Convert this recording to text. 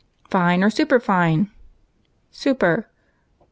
" Fine or superfine ?"" Super."